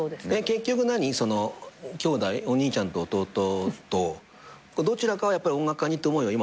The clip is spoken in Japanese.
結局兄弟お兄ちゃんと弟とどちらかはやっぱり音楽家にって思いは今も。